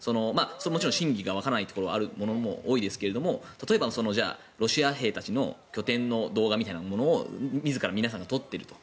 もちろん真偽がわからないことも多いですが例えば、ロシア兵たちの拠点の動画みたいなものを自ら皆さんが撮っていると。